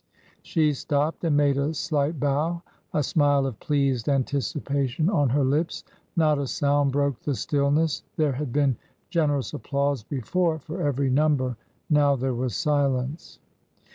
She stopped and made a slight bow, a smile of pleased anticipation on her lips. Not a sound broke the stillness. There had been generous applause before for every num ber. Now there was silence.